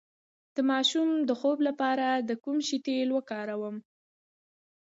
د ماشوم د خوب لپاره د کوم شي تېل وکاروم؟